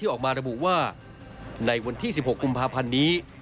ออกมาระบุว่าในวันที่๑๖กุมภาพันธ์นี้